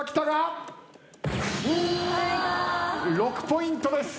６ポイントです。